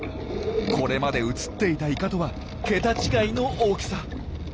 これまで映っていたイカとは桁違いの大きさ！